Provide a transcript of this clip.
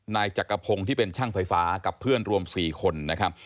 นายจักรพงศ์ที่เป็นช่างไฟฟ้ากับเพื่อนรวม๔คนนะครับ